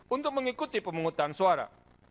untuk mengikuti pemungutan suara